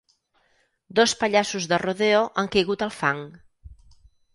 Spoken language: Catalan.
Dos pallassos de rodeo han caigut al fang.